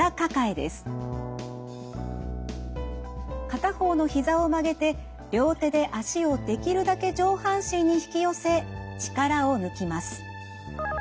片方のひざを曲げて両手で脚をできるだけ上半身に引き寄せ力を抜きます。